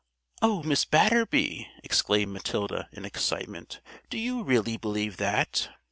"Oh! Mrs. Batterby," exclaimed Matilda in excitement, "do you really believe that?"